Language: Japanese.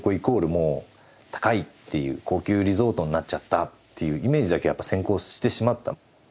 もう高いっていう高級リゾートになっちゃったっていうイメージだけやっぱ先行してしまった。